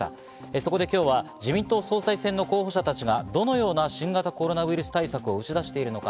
そこで今日は、自民党総裁選の候補者たちがどのような新型コロナウイルス対策を打ち出しているのか。